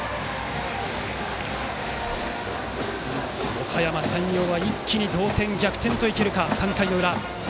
おかやま山陽は一気に同点、逆転といけるか３回の裏。